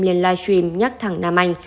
liên livestream nhắc thẳng nam anh